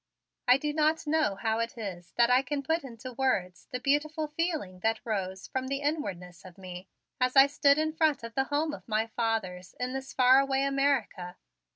I do not know how it is that I can put into words the beautiful feeling that rose from the inwardness of me as I stood in front of the home of my fathers in this far away America.